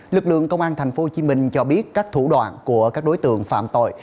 lực lượng công an tp hcm cho biết các thủ đoạn của các đối tượng phạm tội